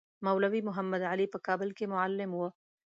مولوی محمدعلي په کابل کې معلم وو.